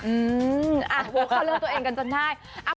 อืมพวกเขาเลือกตัวเองกันจนได้